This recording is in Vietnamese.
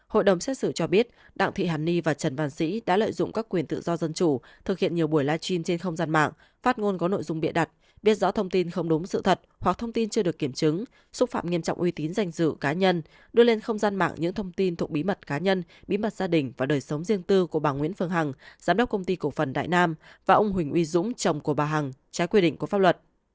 hội đồng xét xử cho biết đảng thị hàn ni và trần văn sĩ đã lợi dụng các quyền tự do dân chủ thực hiện nhiều buổi live stream trên không gian mạng phát ngôn có nội dung bịa đặt biết rõ thông tin không đúng sự thật hoặc thông tin chưa được kiểm chứng xúc phạm nghiêm trọng uy tín giành dự cá nhân đưa lên không gian mạng những thông tin thuộc bí mật cá nhân bí mật gia đình và đời sống riêng tư của bà nguyễn phương hằng giám đốc công ty cổ phần đại nam và ông huỳnh uy dũng chồng của bà hằng trái quy định của pháp luật